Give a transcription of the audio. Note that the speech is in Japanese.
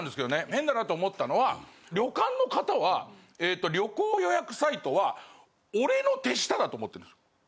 変だなと思ったのは旅館の方はええっと旅行予約サイトは俺の手下だと思ってるんです。